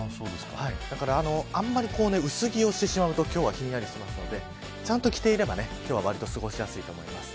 だからあまり薄着をしてしまうと今日はひんやりするのでちゃんと着ていれば今日は、割と過ごしやすいと思います。